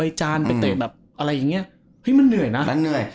จานไปเตะแบบอะไรอย่างเงี้ยเฮ้ยมันเหนื่อยนะมันเหนื่อย